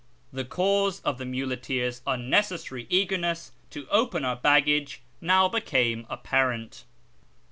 The cause of the muleteers' unnecessary eagerness to open our baggage now became apparent.